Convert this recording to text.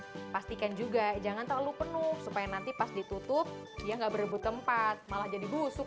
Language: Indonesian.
hai nah pastikan juga jangan terlalu penuh supaya nanti pas ditutup ya enggak berebut tempat malah jadi busuk